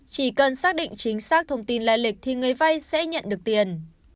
chỉ cần xác định chính xác thông tin lai lịch thì người vay sẽ nhận được tiền